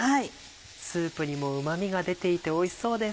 スープにもうま味が出ていておいしそうです。